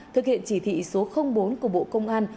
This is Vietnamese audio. thực hiện chỉ thị số bốn của bộ công an